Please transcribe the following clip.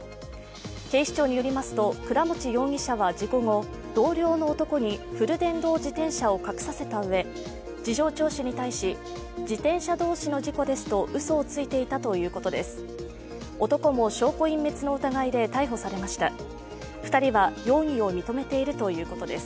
警視庁によりますと、倉持容疑者は事故後、同僚の男にフル電動自転車を隠させたうえ事情聴取に対し自転車同士の事故ですとうそをついていたということです